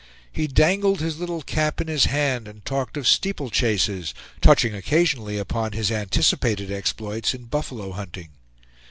He dangled his little cap in his hand and talked of steeple chases, touching occasionally upon his anticipated exploits in buffalo hunting.